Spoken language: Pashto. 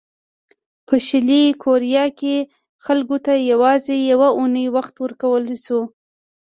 په شلي کوریا کې خلکو ته یوازې یوه اونۍ وخت ورکړل شو.